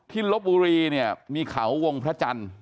ลบบุรีเนี่ยมีเขาวงพระจันทร์